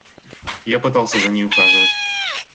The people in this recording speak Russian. Я пытался за ней ухаживать.